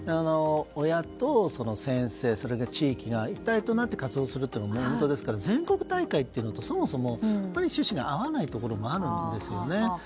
親と先生、それで地域が一体となって活動するというものですから全国大会となるとそもそも趣旨が合わないところもあるんですよね。